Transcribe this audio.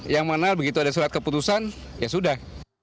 yang mana begitu ada surat keputusan ya sudah